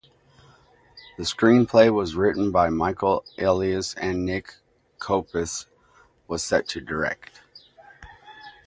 The screenplay was written by Michael Elias, and Nick Copus was set to direct.